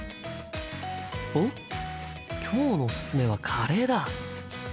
おっ今日のおすすめはカレーだ。